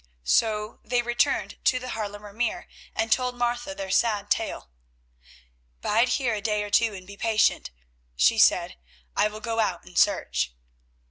So they returned to the Haarlemer Meer and told Martha their sad tale. "Bide here a day or two and be patient," she said; "I will go out and search."